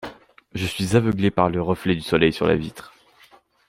Je suis aveuglé par le reflet du soleil sur la vitre.